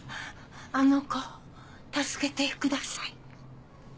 あの子を助けてください。